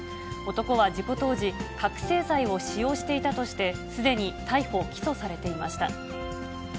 男は事故当時、覚醒剤を使用していたとして、すでに逮捕・起訴されていました。